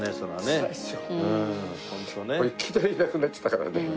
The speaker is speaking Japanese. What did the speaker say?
いきなりいなくなっちゃったからね。